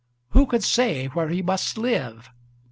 Who could say where he must live?